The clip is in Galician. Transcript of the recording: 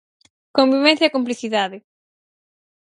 Conivencia e complicidade.